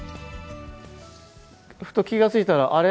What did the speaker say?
ふと気が付いたら、あれ？